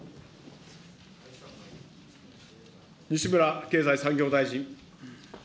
西村経済産業大臣。